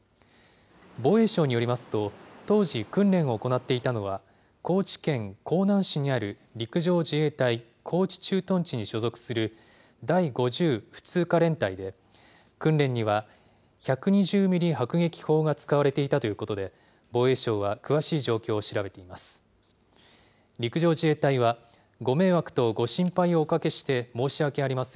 防衛省によりますと、当時訓練を行っていたのは、高知県香南市にある陸上自衛隊高知駐屯地に所属する第５０普通科連隊で、訓練には１２０ミリ迫撃砲が使われていたということで、防衛省は詳しい状況を調べています。